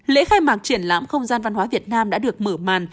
lễ khai mạc triển lãm không gian văn hóa việt nam đã được mở màn